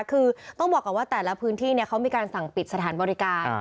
คือต้องบอกก่อนว่าแต่ละพื้นที่เขามีการสั่งปิดสถานบริการ